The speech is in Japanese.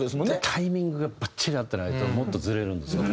タイミングがバッチリ合ってないともっとずれるんですよ